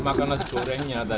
makan nasi gorengnya tadi